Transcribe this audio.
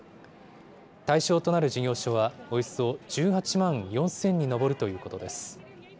対象となる事業所は、およそ１８万４０００に上るということです。